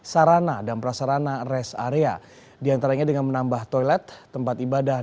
sarana dan prasarana rest area diantaranya dengan menambah toilet tempat ibadah